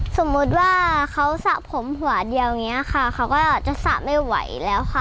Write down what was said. สมมุติว่าเขาสระผมหัวเดียวอย่างนี้ค่ะเขาก็จะสระไม่ไหวแล้วค่ะ